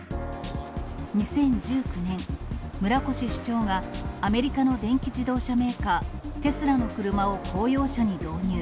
２０１９年、村越市長がアメリカの電気自動車メーカー、テスラの車を公用車に導入。